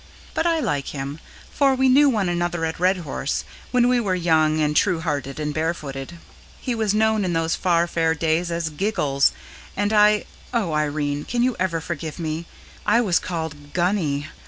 But I like him, for we knew one another at Redhorse when we were young and true hearted and barefooted. He was known in those far fair days as "Giggles," and I O Irene, can you ever forgive me? I was called "Gunny."